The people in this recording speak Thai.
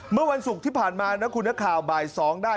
เมื่อวันศุกร์ที่ผ่านมานะคุณนักข่าวบ่าย๒ได้